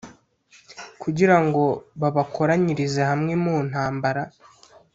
kugira ngo babakoranyirize hamwe mu ntambara